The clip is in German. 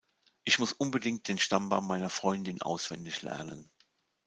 Ich muss unbedingt den Stammbaum meiner Freundin auswendig lernen.